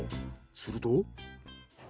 すると。